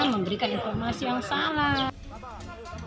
memberikan informasi yang salah